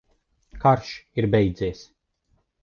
Karš ir beidzies!